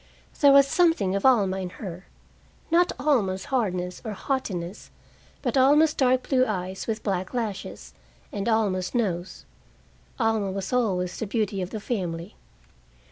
There was something of Alma in her, not Alma's hardness or haughtiness, but Alma's dark blue eyes with black lashes, and Alma's nose. Alma was always the beauty of the family.